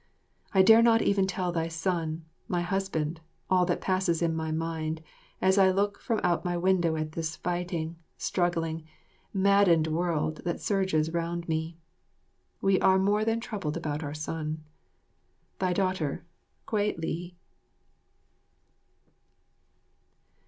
I dare not even tell thy son, my husband, all that passes in my mind as I look from out my window at this fighting, struggling, maddened world that surges round me. We are more than troubled about our son. Thy daughter, Kwei li.